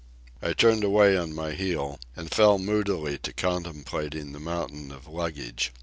I turned away on my heel and fell moodily to contemplating the mountain of luggage.